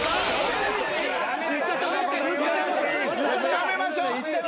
やめましょう。